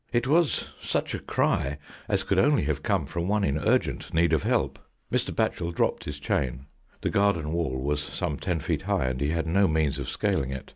It was such a cry as could only have come from one in urgent need of help. Mr. Batchel dropped his chain. The garden wall was some ten feet high and he had no means of scaling it.